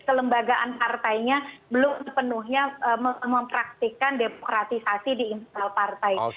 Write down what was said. kelembagaan partainya belum sepenuhnya mempraktikan demokratisasi di internal partai